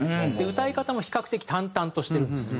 歌い方も比較的淡々としてるんですね。